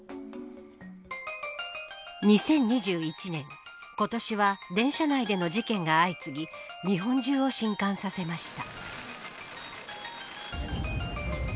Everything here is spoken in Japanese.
２０２１年今年は電車内での事件が相次ぎ日本中を震撼させました。